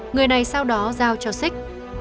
người này sau đó giao cho sik